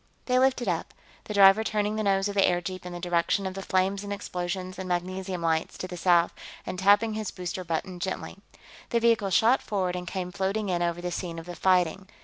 They lifted up, the driver turning the nose of the airjeep in the direction of the flames and explosions and magnesium lights to the south and tapping his booster button gently. The vehicle shot forward and came floating in over the scene of the fighting.